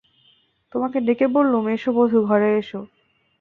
তোমাকে ডেকে বললুম, এসো বধূ, ঘরে এসো।